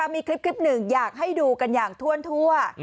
มีคลิปหนึ่งอยากให้ดูกันอย่างทั่ว